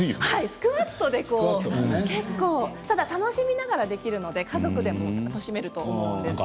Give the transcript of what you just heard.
スクワットが結構ねただ楽しみながらできるので家族でも楽しめると思います。